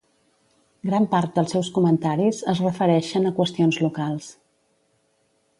Gran part dels seus comentaris es refereixen a qüestions locals.